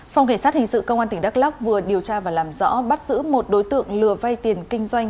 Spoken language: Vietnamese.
phòng cảnh sát hình sự công an tỉnh đắk lóc vừa điều tra và làm rõ bắt giữ một đối tượng lừa vay tiền kinh doanh